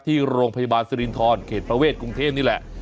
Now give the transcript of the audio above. ที่โรงพยาบาลสิรินทรเขตประเวทกรุงเทพนี่แหละ